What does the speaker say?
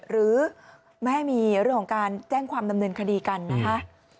หรือไม่ให้มีเรื่องของการแจ้งความดำเนินคดีกันนะคะ